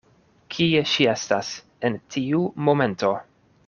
Kie ŝi estas en tiu momento?